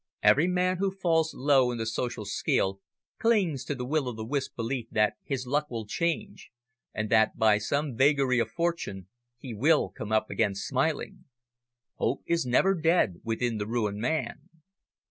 Every man who falls low in the social scale clings to the will o' the wisp belief that his luck will change, and that by some vagary of fortune he will come up again smiling. Hope is never dead within the ruined man.